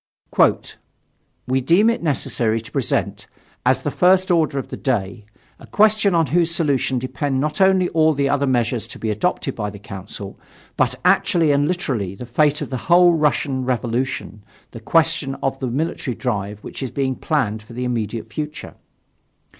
"We deem it necessary to present, as the first order of the day, a question on whose solution depend not only all the other measures to be adopted by the Council, but actually and literally the fate of the whole Russian revolution the question of the military drive which is being planned for the immediate future.